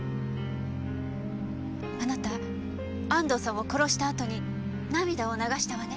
あなた安藤さんを殺したあとに涙を流したわね。